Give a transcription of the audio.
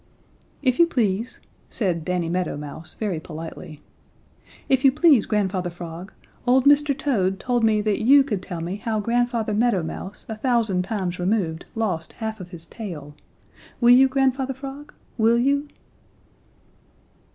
"If you please," said Danny Meadow Mouse, very politely, "if you please, Grandfather Frog, old Mr. Toad told me that you could tell me how Grandfather Meadow Mouse a thousand times removed lost half of his tail. Will you, Grandfather Frog will you?"